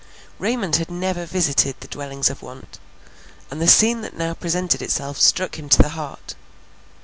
Raymond had never visited the dwellings of want, and the scene that now presented itself struck him to the heart.